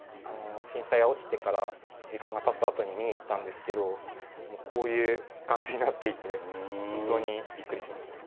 震災が起きてから時間がたったあとに見に行ったんですけどもうこういう感じになっていて本当にびっくりしました。